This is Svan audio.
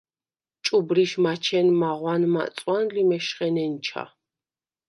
ჭუბრიშ მაჩენ მაღვან-მაწვან ლი მეშხე ნენჩა.